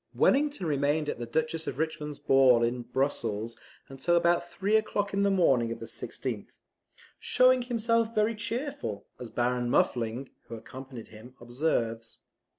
Wellington remained at the Duchess of Richmond's ball at Brussels till about three o'clock in the morning of the 16th, "showing himself very cheerful" as Baron Muffling, who accompanied him, observes.